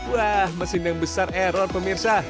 wah mesin yang besar error pemirsa